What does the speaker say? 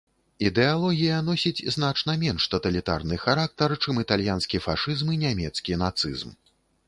Ідэалогія носіць значна менш таталітарны характар, чым італьянскі фашызм і нямецкі нацызм.